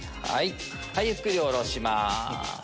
はいゆっくり下ろします。